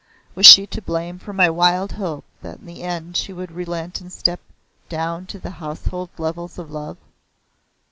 Was she to blame for my wild hope that in the end she would relent and step down to the household levels of love?